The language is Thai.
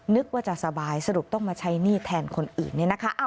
นึกว่าจะสบายสรุปต้องมาใช้หนี้แทนคนอื่นเนี่ยนะคะ